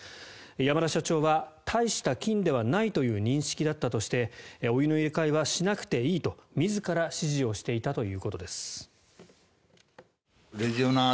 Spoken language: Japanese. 山田社長は大した菌ではないという認識だったとしてお湯の入れ替えはしなくていいと自ら指示をしていたということです。